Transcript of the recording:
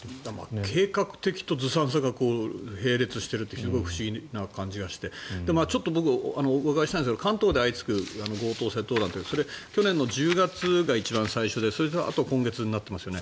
計画的とずさんさが並列していてすごく不思議な感じがして僕、伺いたいのは関東で相次ぐ強盗・窃盗団って去年の１０月が一番最初であとは今月になってますよね。